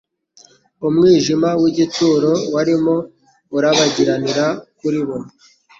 umwijima w’igituro warimo urabagiranira kuri bo